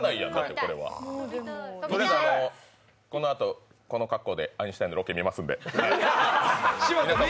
このあと、この格好で、アインシュタインのロケ見ますので。